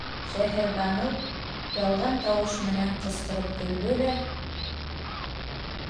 Шәһәрбаныу ялған тауыш менән ҡысҡырып көлдө лә: